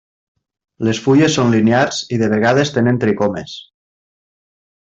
Les fulles són linears i de vegades tenen tricomes.